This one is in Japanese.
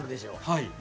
はい。